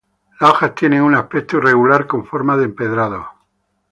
Las hojas tienen un aspecto irregular, con forma de empedrado.